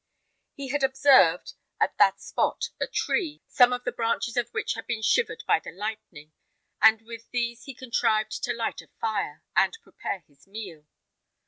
He had observed at that spot a tree, some of the branches of which had been shivered by the lightning, and with these he contrived to light a fire, and prepare his meal.